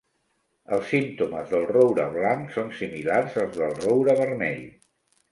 Els símptomes del roure blanc són similars als del roure vermell.